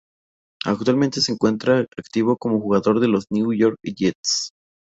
Actualmente se encuentra en activo como jugador de los New York Jets.